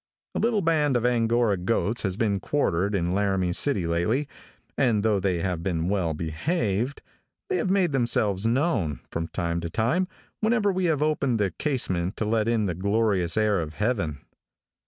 A little band of Angora goats has been quartered in Laramie City lately, and though they have been well behaved, they have made them have opened the casement to let in the glorious air of heaven.